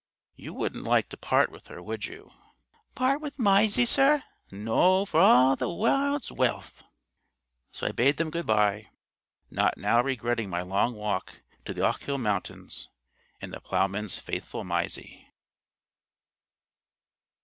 "You wouldn't like to part with her, would you?" "Part wi' Mysie, sir? No for a' the warld's wealth." So I bade them good bye, not now regretting my long walk to the Ochil mountains, and the ploughman's faithful Mysie.